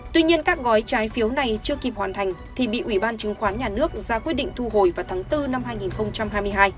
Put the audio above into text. tuy nhiên các gói trái phiếu này chưa kịp hoàn thành thì bị ủy ban chứng khoán nhà nước ra quyết định thu hồi vào tháng bốn năm hai nghìn hai mươi hai